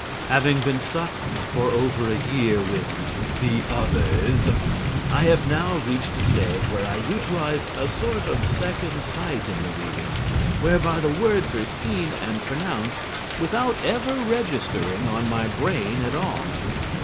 Having been stuck for over a year with "the others" I have now reached a stage where I utilize a sort of second sight in the reading whereby the words are seen and pronounced without ever registering on my brain at all.